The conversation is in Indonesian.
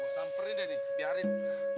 sampai nih deh biarin